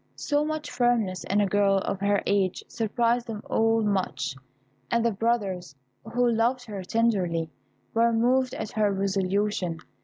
So much firmness in a girl of her age surprised them all much; and the brothers, who loved her tenderly, were moved at her resolution.